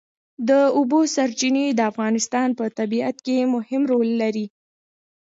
د اوبو سرچینې د افغانستان په طبیعت کې مهم رول لري.